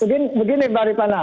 begini begini mbak ripana